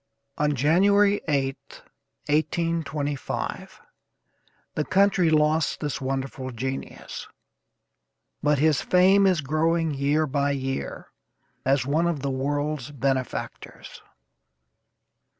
On January 8th, 1825, the country lost this wonderful genius, but his fame is growing year by year, as one of the world's benefactors.